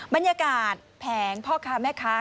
บรรยากาศแผงพ่อค้าแม่ค้า